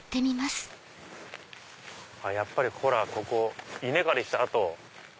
やっぱりここ稲刈りした跡。